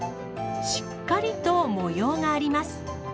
しっかりと模様があります。